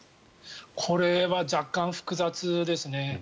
これは若干、複雑ですね。